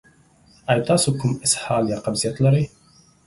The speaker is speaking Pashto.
ایا تاسو کوم اسهال یا قبضیت لرئ؟